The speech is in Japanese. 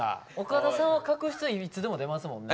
岡田さんは角質いつでも出ますもんね。